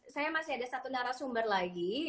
saya masih ada satu narasumber lagi